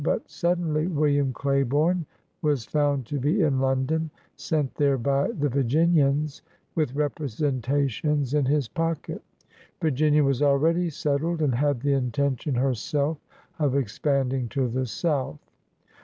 But suddenly William Claiborne was found to be in London, sent there by the Vir ginians, with representations in his pocket. Vir ginia was already settled and had the intention herself of expanding to the south.